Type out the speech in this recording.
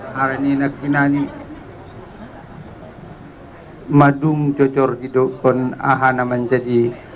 harani nakinani madung jocor gidok kon ahana manjadi